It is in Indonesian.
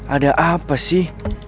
ada apa sih